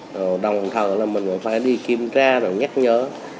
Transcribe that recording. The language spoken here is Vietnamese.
rồi đồng thời là mình cũng phải đi kiểm tra nhắc nhớ